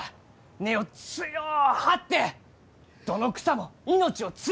根を強う張ってどの草も命をつないでいく！